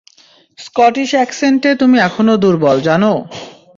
Scottish এক্সেন্টে তুমি এখনও দুর্বল, জানো?